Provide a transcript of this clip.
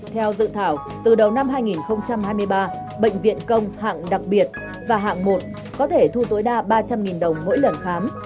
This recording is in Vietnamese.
theo dự thảo từ đầu năm hai nghìn hai mươi ba bệnh viện công hạng đặc biệt và hạng một có thể thu tối đa ba trăm linh đồng mỗi lần khám